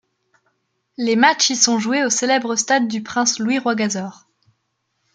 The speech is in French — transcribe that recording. Les matchs y sont joués au célèbre Stade du Prince Louis Rwagasore.